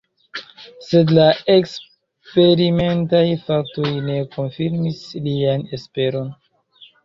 Sed la eksperimentaj faktoj ne konfirmis lian esperon.